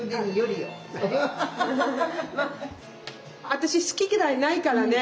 私好き嫌いないからね。